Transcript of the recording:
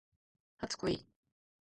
初恋